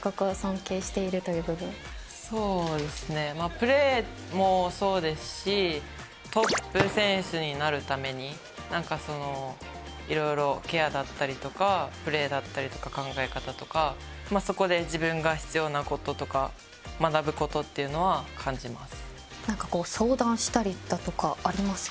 プレーもそうですしトップ選手になるためにいろいろケアだったりプレーだったり考え方とかそこで自分が必要なこととか学ぶことっていうのは感じます。